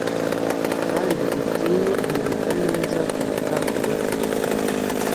Kandi utinye kwibuka neza kuruta urupfu